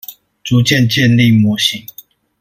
逐漸建立模型